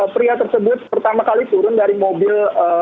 pria tersebut pertama kali turun dari mobil